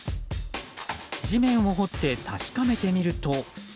地面を掘って、確かめてみると。